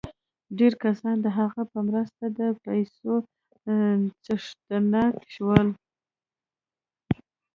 ډېر کسان د هغه په مرسته د پیسو څښتنان شول